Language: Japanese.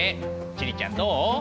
千里ちゃんどう？